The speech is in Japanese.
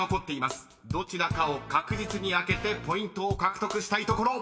どちらかを確実に開けてポイントを獲得したいところ］